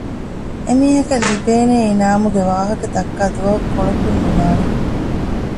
އެ މީހަކަށްލިބޭނޭ އިނާމުގެވާހަކަ ދައްކައި ދުވަހަކު ކޮޅަކުންނުލާނެ